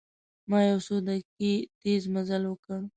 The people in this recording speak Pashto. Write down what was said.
ما یو څو دقیقې تیز مزل وکړ.